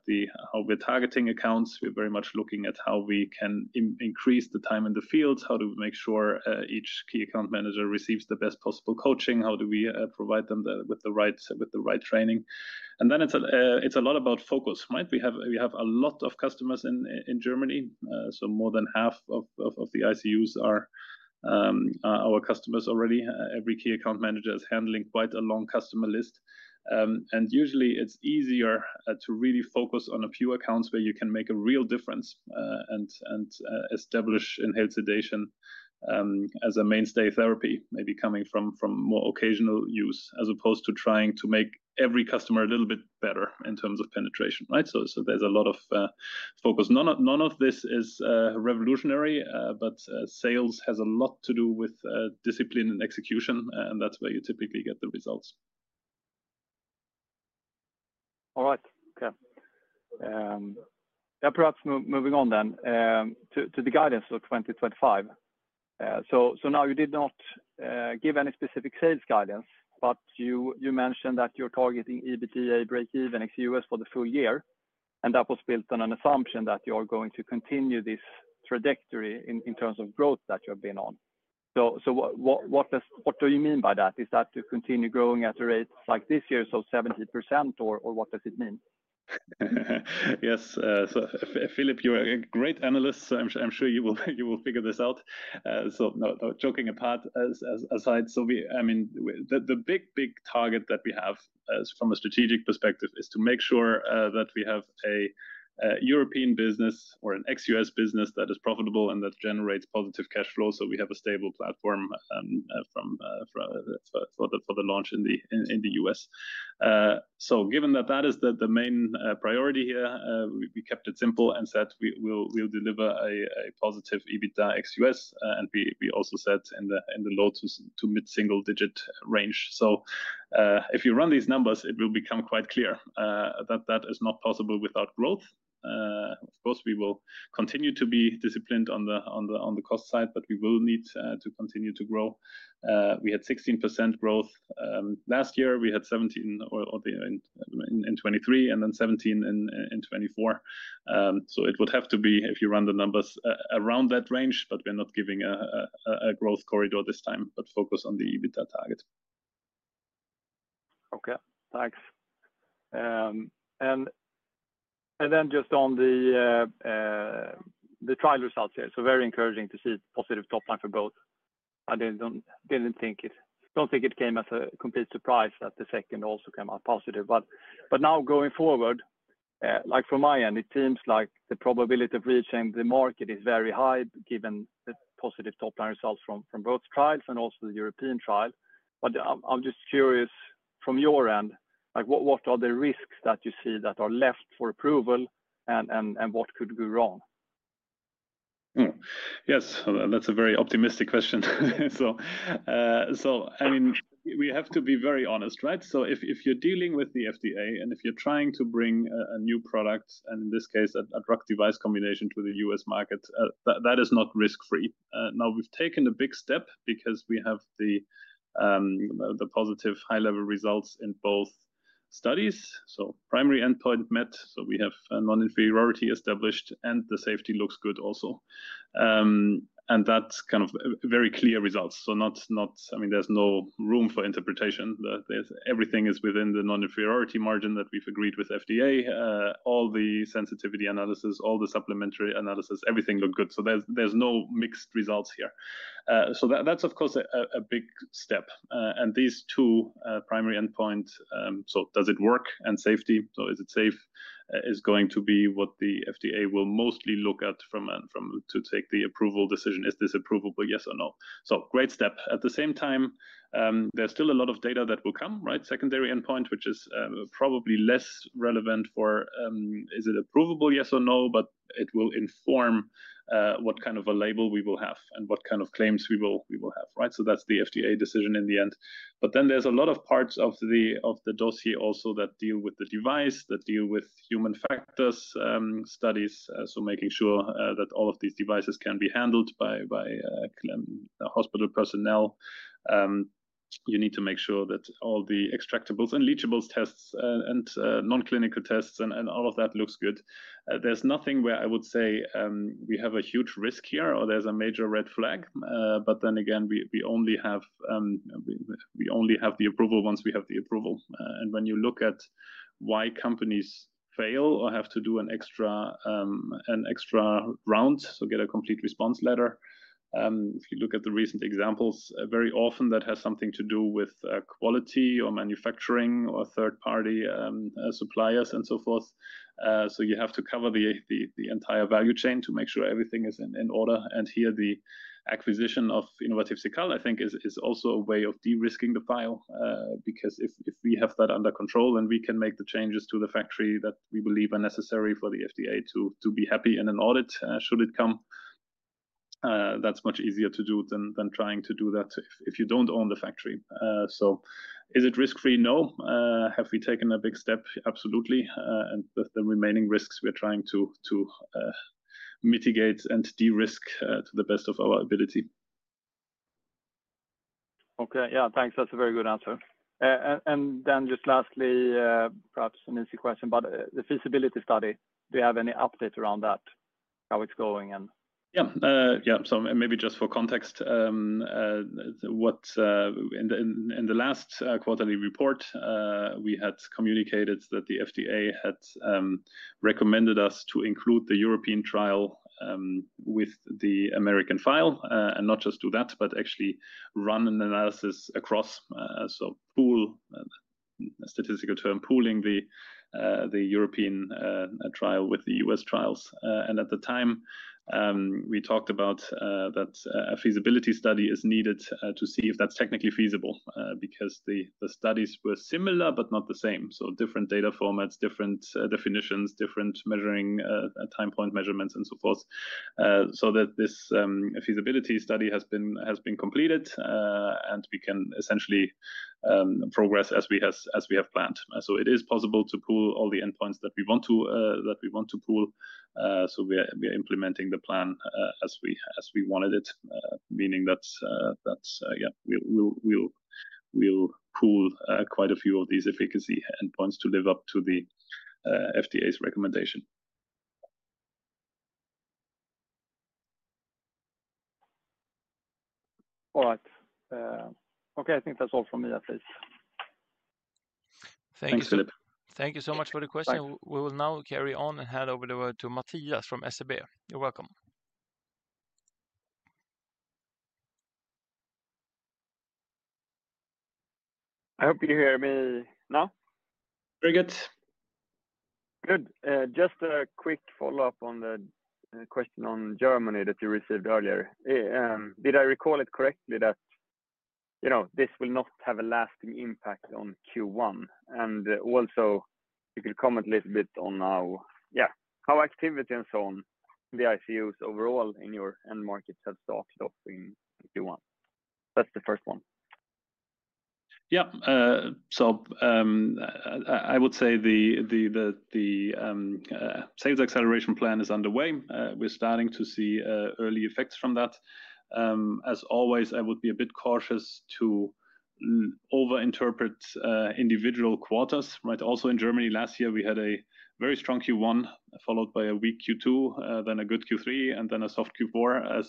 how we're targeting accounts. We're very much looking at how we can increase the time in the fields. How do we make sure each key account manager receives the best possible coaching? How do we provide them with the right training? It is a lot about focus, right? We have a lot of customers in Germany. More than half of the ICUs are our customers already. Every key account manager is handling quite a long customer list. Usually, it's easier to really focus on a few accounts where you can make a real difference and establish inhaled sedation as a mainstay therapy, maybe coming from more occasional use as opposed to trying to make every customer a little bit better in terms of penetration, right? There is a lot of focus. None of this is revolutionary, but sales has a lot to do with discipline and execution, and that's where you typically get the results. All right. Okay. Yeah, perhaps moving on then to the guidance for 2025. Now you did not give any specific sales guidance, but you mentioned that you're targeting EBITDA break-even XUS for the full year. That was built on an assumption that you are going to continue this trajectory in terms of growth that you have been on. What do you mean by that? Is that to continue growing at a rate like this year's of 70%, or what does it mean? Yes. Filip, you're a great analyst. I'm sure you will figure this out. Joking apart aside, I mean, the big, big target that we have from a strategic perspective is to make sure that we have a European business or an XUS business that is profitable and that generates positive cash flow. We have a stable platform for the launch in the U.S. Given that that is the main priority here, we kept it simple and said we'll deliver a positive EBITDA XUS. We also said in the low- to mid-single digit range. If you run these numbers, it will become quite clear that that is not possible without growth. Of course, we will continue to be disciplined on the cost side, but we will need to continue to grow. We had 16% growth last year. We had 17 in 2023 and then 17 in 2024. It would have to be if you run the numbers around that range, but we're not giving a growth corridor this time, but focus on the EBITDA target. Okay. Thanks. And then just on the trial results here, very encouraging to see positive top line for both. I didn't think it came as a complete surprise that the second also came out positive. Now going forward, like from my end, it seems like the probability of reaching the market is very high given the positive top line results from both trials and also the European trial. I'm just curious from your end, what are the risks that you see that are left for approval and what could go wrong? Yes, that's a very optimistic question. I mean, we have to be very honest, right? If you're dealing with the FDA and if you're trying to bring a new product, and in this case, a drug device combination to the US market, that is not risk-free. We've taken a big step because we have the positive high-level results in both studies. Primary endpoint met, so we have non-inferiority established, and the safety looks good also. That's kind of very clear results. I mean, there's no room for interpretation. Everything is within the non-inferiority margin that we've agreed with FDA. All the sensitivity analysis, all the supplementary analysis, everything looked good. There's no mixed results here. That's, of course, a big step. These two primary endpoints, so does it work and safety, so is it safe, is going to be what the FDA will mostly look at to take the approval decision. Is this approval, yes or no? Great step. At the same time, there's still a lot of data that will come, right? Secondary endpoint, which is probably less relevant for is it approval, yes or no, but it will inform what kind of a label we will have and what kind of claims we will have, right? That's the FDA decision in the end. There are a lot of parts of the dossier also that deal with the device, that deal with human factors studies, so making sure that all of these devices can be handled by hospital personnel. You need to make sure that all the extractables and leachables tests and non-clinical tests and all of that looks good. There's nothing where I would say we have a huge risk here or there's a major red flag. Then again, we only have the approval once we have the approval. When you look at why companies fail or have to do an extra round to get a complete response letter, if you look at the recent examples, very often that has something to do with quality or manufacturing or third-party suppliers and so forth. You have to cover the entire value chain to make sure everything is in order. Here the acquisition of Innovatif Cekal, I think, is also a way of de-risking the file because if we have that under control, then we can make the changes to the factory that we believe are necessary for the FDA to be happy in an audit should it come. That's much easier to do than trying to do that if you don't own the factory. Is it risk-free? No. Have we taken a big step? Absolutely. The remaining risks, we're trying to mitigate and de-risk to the best of our ability. Okay. Yeah. Thanks. That's a very good answer. Lastly, perhaps an easy question, but the feasibility study, do you have any update around that, how it's going? Yeah. Yeah. Maybe just for context, in the last quarterly report, we had communicated that the FDA had recommended us to include the European trial with the American file and not just do that, but actually run an analysis across, so statistical term, pooling the European trial with the US trials. At the time, we talked about that a feasibility study is needed to see if that's technically feasible because the studies were similar, but not the same. Different data formats, different definitions, different measuring time point measurements and so forth. That this feasibility study has been completed and we can essentially progress as we have planned. It is possible to pool all the endpoints that we want to pool. We are implementing the plan as we wanted it, meaning that, yeah, we will pool quite a few of these efficacy endpoints to live up to the FDA's recommendation. All right. Okay. I think that's all from me, at least. Thank you. Thank you so much for the question. We will now carry on and hand over the word to Matthias from SEB. You're welcome. I hope you hear me now. Very good. Good. Just a quick follow-up on the question on Germany that you received earlier. Did I recall it correctly that this will not have a lasting impact on Q1? You can comment a little bit on how, yeah, how activity and so on, the ICUs overall in your end markets have started off in Q1? That's the first one. Yeah. I would say the sales acceleration plan is underway. We're starting to see early effects from that. As always, I would be a bit cautious to over-interpret individual quarters, right? Also in Germany, last year, we had a very strong Q1 followed by a weak Q2, then a good Q3, and then a soft Q4.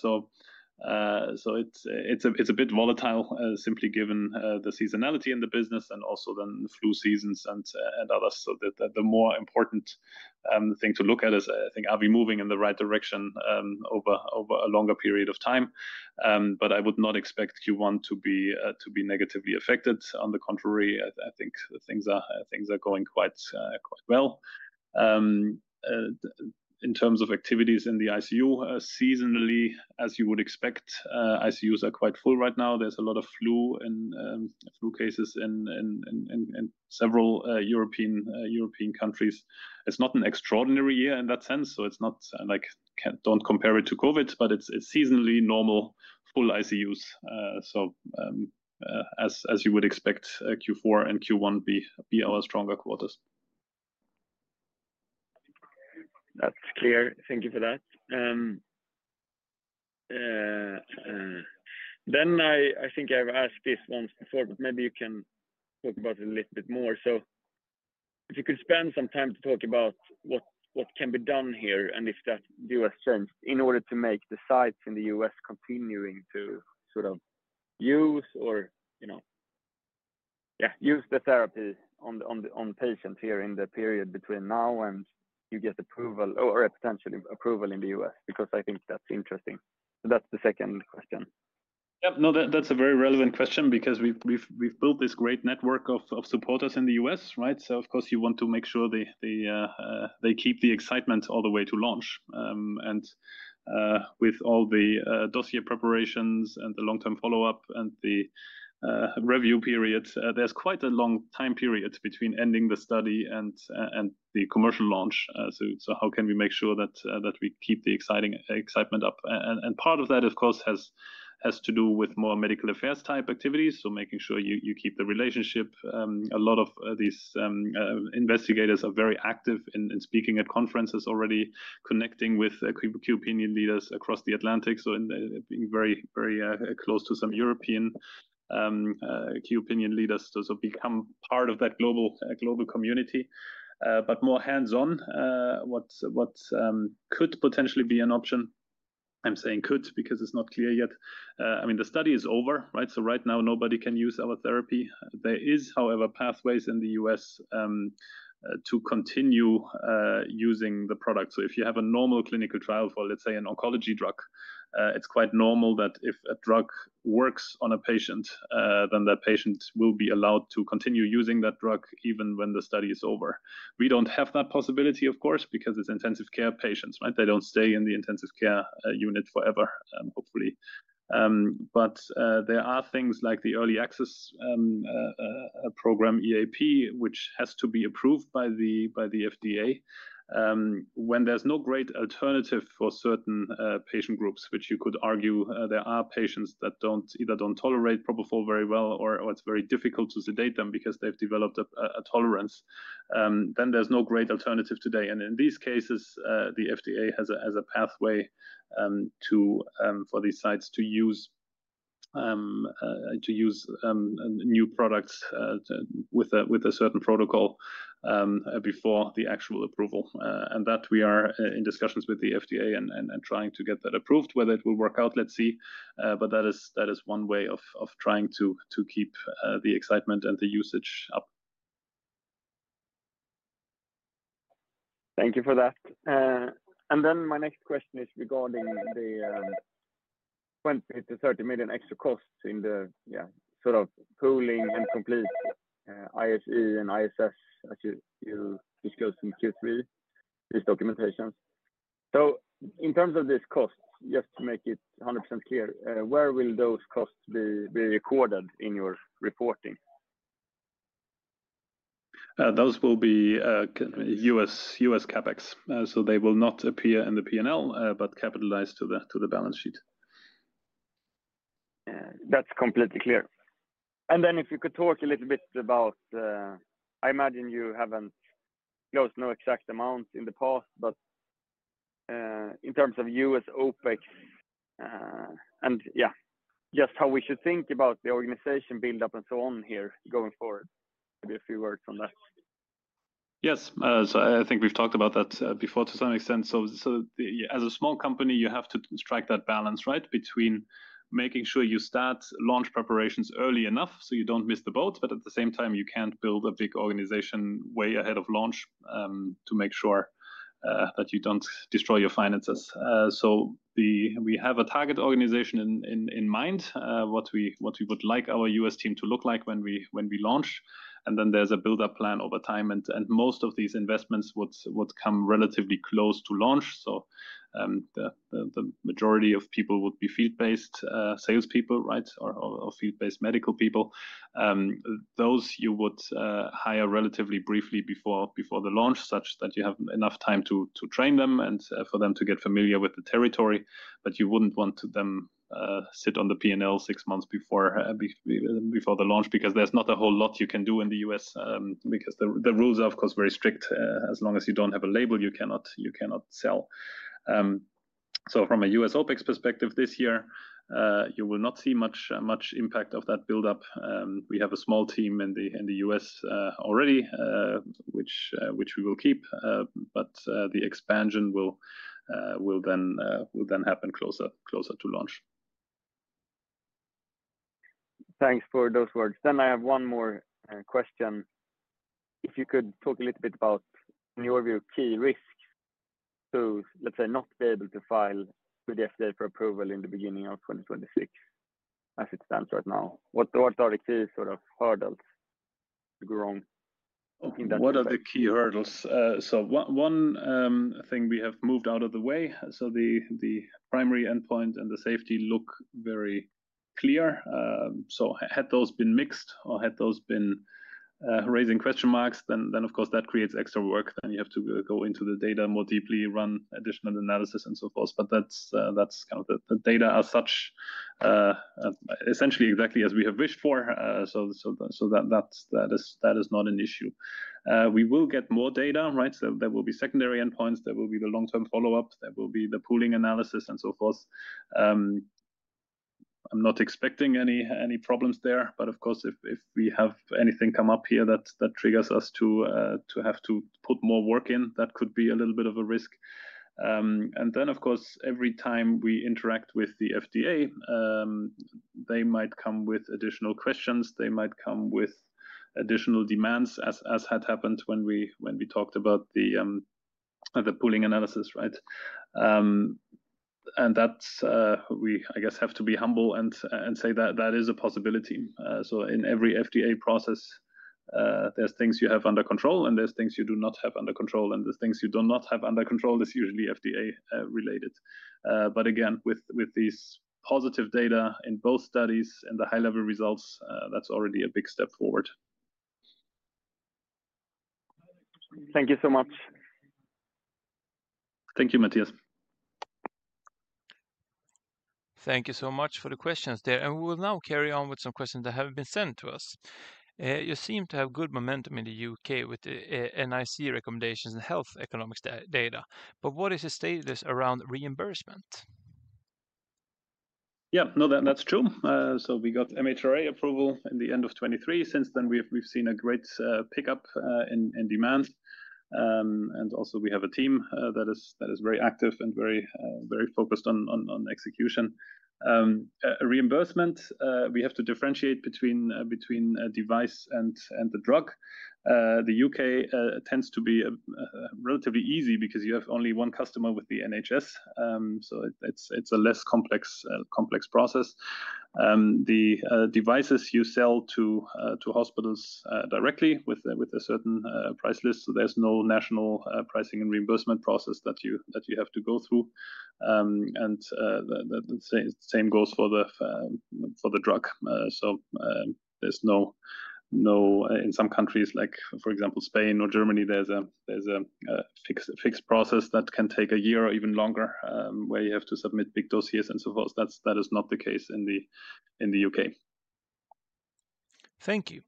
It is a bit volatile simply given the seasonality in the business and also then the flu seasons and others. The more important thing to look at is, I think, are we moving in the right direction over a longer period of time? I would not expect Q1 to be negatively affected. On the contrary, I think things are going quite well. In terms of activities in the ICU, seasonally, as you would expect, ICUs are quite full right now. There's a lot of flu cases in several European countries. It's not an extraordinary year in that sense. Do not compare it to COVID, but it's seasonally normal full ICUs. As you would expect, Q4 and Q1 be our stronger quarters. That's clear. Thank you for that. I think I've asked this once before, but maybe you can talk about it a little bit more. If you could spend some time to talk about what can be done here and if that. US firms in order to make decides in the US continuing to sort of use or, yeah, use the therapy on patients here in the period between now and you get approval or a potential approval in the US? Because I think that's interesting. That's the second question. Yeah. No, that's a very relevant question because we've built this great network of supporters in the US, right? Of course, you want to make sure they keep the excitement all the way to launch. With all the dossier preparations and the long-term follow-up and the review period, there's quite a long time period between ending the study and the commercial launch. How can we make sure that we keep the excitement up? Part of that, of course, has to do with more medical affairs type activities. Making sure you keep the relationship. A lot of these investigators are very active in speaking at conferences already, connecting with key opinion leaders across the Atlantic. Being very close to some European key opinion leaders to sort of become part of that global community. More hands-on, what could potentially be an option? I'm saying could because it's not clear yet. I mean, the study is over, right? Right now, nobody can use our therapy. There is, however, pathways in the US to continue using the product. If you have a normal clinical trial for, let's say, an oncology drug, it's quite normal that if a drug works on a patient, then that patient will be allowed to continue using that drug even when the study is over. We don't have that possibility, of course, because it's intensive care patients, right? They don't stay in the intensive care unit forever, hopefully. There are things like the Early Access Program, EAP, which has to be approved by the FDA. When there's no great alternative for certain patient groups, which you could argue there are patients that either don't tolerate Propofol very well or it's very difficult to sedate them because they've developed a tolerance, there's no great alternative today. In these cases, the FDA has a pathway for these sites to use new products with a certain protocol before the actual approval. We are in discussions with the FDA and trying to get that approved. Whether it will work out, let's see. That is one way of trying to keep the excitement and the usage up. Thank you for that. Then my next question is regarding the 20-30 million extra costs in the, yeah, sort of pooling and complete ISE and ISS as you discussed in Q3, these documentations. In terms of these costs, just to make it 100% clear, where will those costs be recorded in your reporting? Those will be US CapEx. They will not appear in the P&L, but capitalized to the balance sheet. That's completely clear. If you could talk a little bit about, I imagine you haven't closed no exact amount in the past, but in terms of U.S. OpEx and, yeah, just how we should think about the organization build-up and so on here going forward, maybe a few words on that. Yes. I think we've talked about that before to some extent. As a small company, you have to strike that balance, right, between making sure you start launch preparations early enough so you do not miss the boat, but at the same time, you cannot build a big organization way ahead of launch to make sure that you do not destroy your finances. We have a target organization in mind, what we would like our US team to look like when we launch. There is a build-up plan over time. Most of these investments would come relatively close to launch. The majority of people would be field-based salespeople, right, or field-based medical people. Those you would hire relatively briefly before the launch such that you have enough time to train them and for them to get familiar with the territory. You would not want them to sit on the P&L six months before the launch because there is not a whole lot you can do in the US because the rules are, of course, very strict. As long as you do not have a label, you cannot sell. From a US OpEx perspective this year, you will not see much impact of that build-up. We have a small team in the US already, which we will keep. The expansion will then happen closer to launch. Thanks for those words. I have one more question. If you could talk a little bit about, in your view, key risks to, let's say, not be able to file with the FDA for approval in the beginning of 2026 as it stands right now. What are the key sort of hurdles to go wrong in that? What are the key hurdles? One thing we have moved out of the way. The primary endpoint and the safety look very clear. Had those been mixed or had those been raising question marks, that creates extra work. You have to go into the data more deeply, run additional analysis and so forth. That is kind of the data as such, essentially exactly as we have wished for. That is not an issue. We will get more data, right? There will be secondary endpoints. There will be the long-term follow-up. There will be the pooling analysis and so forth. I'm not expecting any problems there. Of course, if we have anything come up here that triggers us to have to put more work in, that could be a little bit of a risk. Of course, every time we interact with the FDA, they might come with additional questions. They might come with additional demands, as had happened when we talked about the pooling analysis, right? I guess we have to be humble and say that that is a possibility. In every FDA process, there are things you have under control and there are things you do not have under control. The things you do not have under control are usually FDA related. Again, with these positive data in both studies and the high-level results, that's already a big step forward. Thank you so much. Thank you, Matthias. Thank you so much for the questions there. We will now carry on with some questions that have been sent to us. You seem to have good momentum in the U.K. with NIC recommendations and health economics data. What is your status around reimbursement? Yeah, no, that's true. We got MHRA approval in the end of 2023. Since then, we've seen a great pickup in demand. Also, we have a team that is very active and very focused on execution. Reimbursement, we have to differentiate between device and the drug. The U.K. tends to be relatively easy because you have only one customer with the NHS. It is a less complex process. The devices you sell to hospitals directly with a certain price list. There is no national pricing and reimbursement process that you have to go through. The same goes for the drug. There is no, in some countries, like for example, Spain or Germany, there is a fixed process that can take a year or even longer where you have to submit big dossiers and so forth. That is not the case in the U.K. Thank you.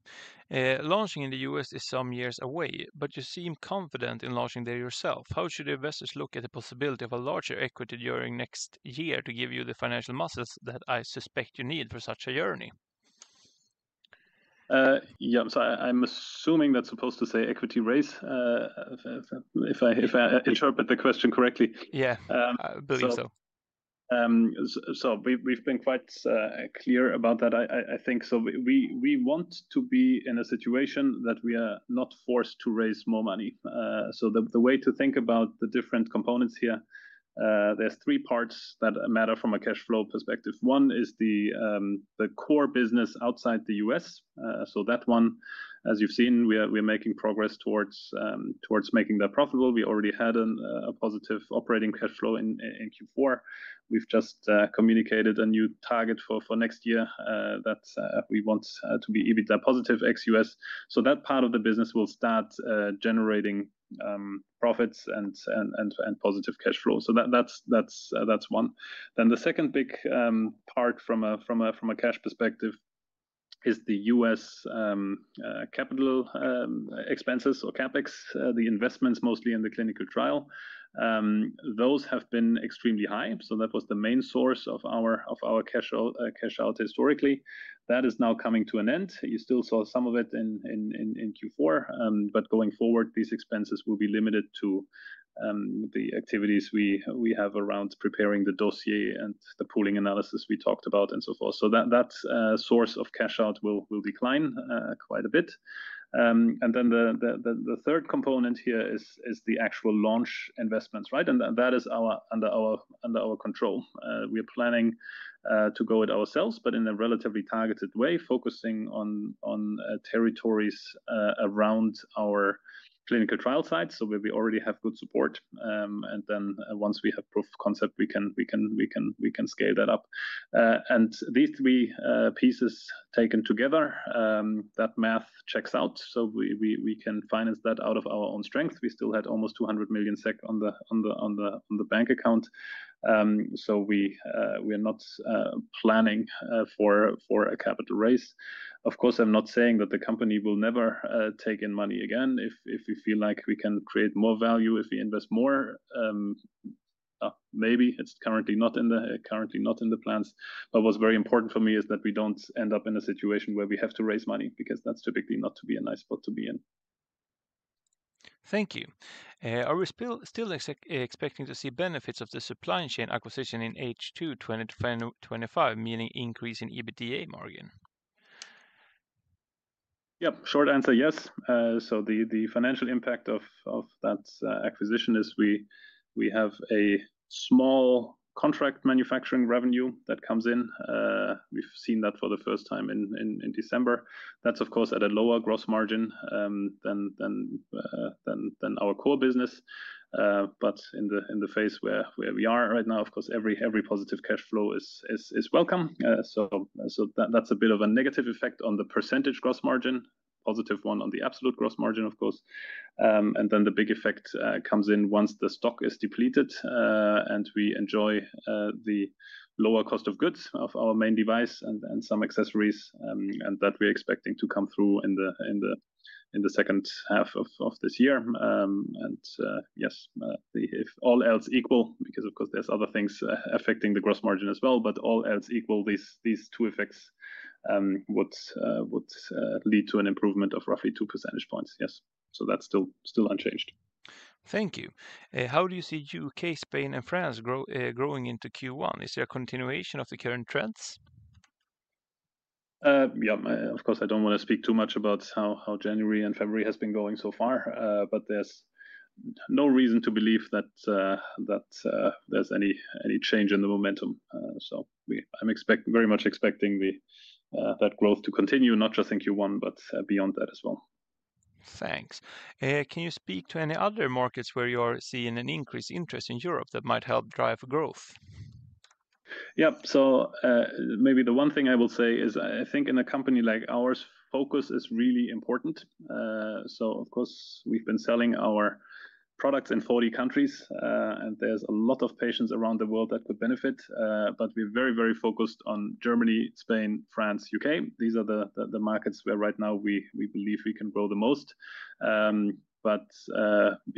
Launching in the U.S. is some years away, but you seem confident in launching there yourself. How should investors look at the possibility of a larger equity during next year to give you the financial muscles that I suspect you need for such a journey? Yeah, so I'm assuming that's supposed to say equity raise, if I interpret the question correctly. Yeah, I believe so. We have been quite clear about that, I think. We want to be in a situation that we are not forced to raise more money. The way to think about the different components here, there are three parts that matter from a cash flow perspective. One is the core business outside the U.S. That one, as you've seen, we are making progress towards making that profitable. We already had a positive operating cash flow in Q4. We've just communicated a new target for next year that we want to be EBITDA positive ex US. So that part of the business will start generating profits and positive cash flow. That is one. The second big part from a cash perspective is the US capital expenses or CapEx, the investments mostly in the clinical trial. Those have been extremely high. That was the main source of our cash out historically. That is now coming to an end. You still saw some of it in Q4. Going forward, these expenses will be limited to the activities we have around preparing the dossier and the pooling analysis we talked about and so forth. That source of cash out will decline quite a bit. The third component here is the actual launch investments, right? That is under our control. We are planning to go it ourselves, but in a relatively targeted way, focusing on territories around our clinical trial sites. We already have good support. Once we have proof of concept, we can scale that up. These three pieces taken together, that math checks out. We can finance that out of our own strength. We still had almost 200 million SEK on the bank account. We are not planning for a capital raise. Of course, I'm not saying that the company will never take in money again if we feel like we can create more value if we invest more. Maybe it's currently not in the plans. What is very important for me is that we do not end up in a situation where we have to raise money because that is typically not a nice spot to be in. Thank you. Are we still expecting to see benefits of the supply chain acquisition in H2 2025, meaning increase in EBITDA margin? Yep, short answer, yes. The financial impact of that acquisition is we have a small contract manufacturing revenue that comes in. We have seen that for the first time in December. That is, of course, at a lower gross margin than our core business. In the phase where we are right now, every positive cash flow is welcome. That is a bit of a negative effect on the percentage gross margin, positive one on the absolute gross margin, of course. Then the big effect comes in once the stock is depleted and we enjoy the lower cost of goods of our main device and some accessories. That we are expecting to come through in the second half of this year. Yes, if all else equal, because of course, there are other things affecting the gross margin as well, but all else equal, these two effects would lead to an improvement of roughly two percentage points. Yes, so that is still unchanged. Thank you. How do you see U.K., Spain, and France growing into Q1? Is there a continuation of the current trends? Yeah, of course, I do not want to speak too much about how January and February have been going so far, but there is no reason to believe that there is any change in the momentum. I'm very much expecting that growth to continue, not just in Q1, but beyond that as well Thanks. Can you speak to any other markets where you're seeing an increased interest in Europe that might help drive growth? Yeah, maybe the one thing I will say is I think in a company like ours, focus is really important. Of course, we've been selling our products in 40 countries, and there's a lot of patients around the world that could benefit. We're very, very focused on Germany, Spain, France, U.K. These are the markets where right now we believe we can grow the most.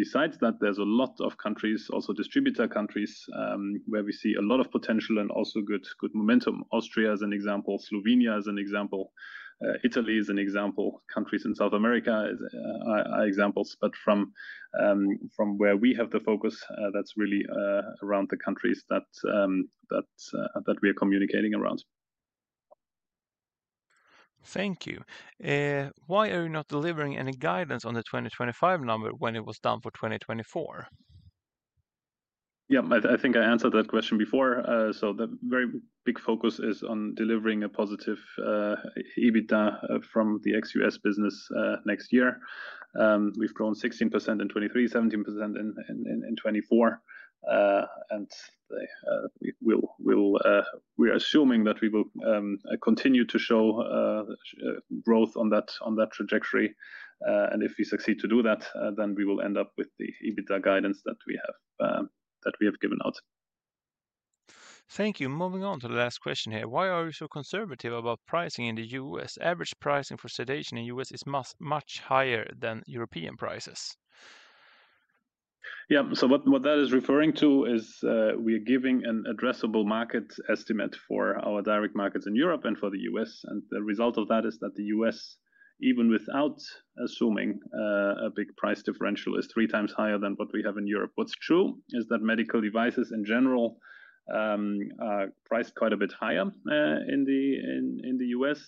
Besides that, there's a lot of countries, also distributor countries, where we see a lot of potential and also good momentum. Austria as an example, Slovenia as an example, Italy as an example, countries in South America are examples. From where we have the focus, that's really around the countries that we are communicating around. Thank you. Why are you not delivering any guidance on the 2025 number when it was done for 2024? I think I answered that question before. The very big focus is on delivering a positive EBITDA from the ex US business next year. We've grown 16% in 2023, 17% in 2024. We're assuming that we will continue to show growth on that trajectory. If we succeed to do that, then we will end up with the EBITDA guidance that we have given out. Thank you. Moving on to the last question here. Why are you so conservative about pricing in the US? Average pricing for sedation in the US is much higher than European prices? Yeah, so what that is referring to is we are giving an addressable market estimate for our direct markets in Europe and for the US. The result of that is that the US, even without assuming a big price differential, is three times higher than what we have in Europe. What's true is that medical devices in general are priced quite a bit higher in the US.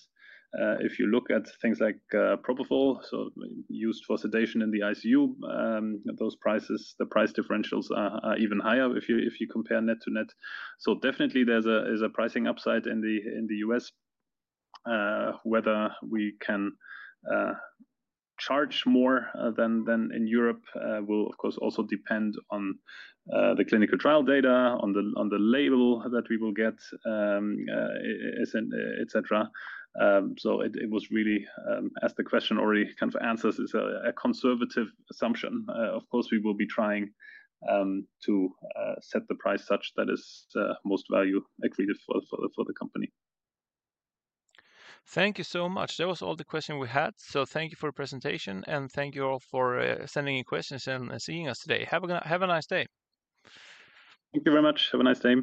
If you look at things like propofol, so used for sedation in the ICU, those prices, the price differentials are even higher if you compare net to net. Definitely there's a pricing upside in the US. Whether we can charge more than in Europe will, of course, also depend on the clinical trial data, on the label that we will get, etc. It was really, as the question already kind of answers, a conservative assumption. Of course, we will be trying to set the price such that is most value agreed for the company. Thank you so much. That was all the questions we had. Thank you for the presentation and thank you all for sending in questions and seeing us today. Have a nice day. Thank you very much. Have a nice day.